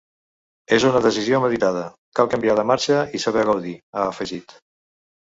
“És una decisió meditada, cal canviar de marxa i saber gaudir”, ha afegit.